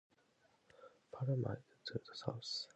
Porlamar is to the south.